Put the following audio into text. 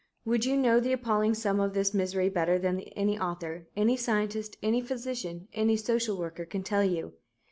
Would you know the appalling sum of this misery better than any author, any scientist, any physician, any social worker can tell you?